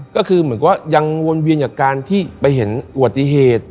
ก็คือเหมือนก็ยังวนเวียนจากการที่ไปเห็นอุบัติเหตุ